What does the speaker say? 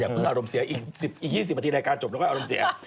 เพิ่งอารมณ์เสียอีก๒๐นาทีรายการจบแล้วก็อารมณ์เสีย